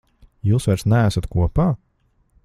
Jūs vairs neesat kopā?